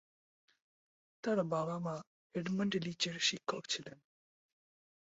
তার বাবা-মা এডমান্ড লিচের শিক্ষক ছিলেন।